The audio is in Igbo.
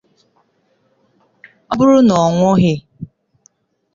ọ bụrụ na ọ nwụghị